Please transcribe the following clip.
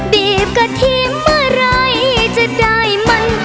บีบกะทิเมื่อไหร่จะได้มัน